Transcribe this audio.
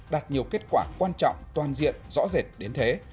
đạt nhiều kết quả quan trọng toàn diện rõ rệt đến thế